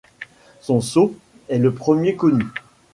Son sceau est le premier connu.